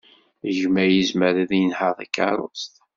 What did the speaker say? Gma yezmer ad yenheṛ takeṛṛust.